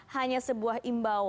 hanya sebuah imbauan